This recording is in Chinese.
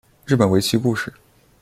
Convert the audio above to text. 日本围棋故事